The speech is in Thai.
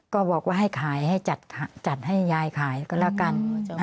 ก็บอกว่าให้ขายให้จัดให้ยายขายก็แล้วกัน